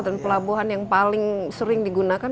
dan pelabuhan yang paling sering digunakan